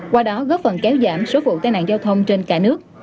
qua đó góp phần kéo giảm số vụ tai nạn giao thông trên cả nước